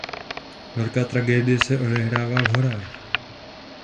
Velká tragédie se odehrává v horách.